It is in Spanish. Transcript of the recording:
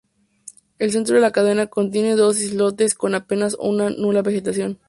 El centro de la cadena contiene dos islotes con apenas o nula vegetación.